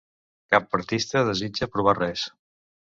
Cap artista desitja provar res.